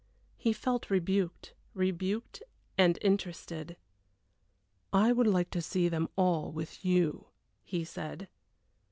He felt rebuked rebuked and interested. "I would like to see them all with you," he said.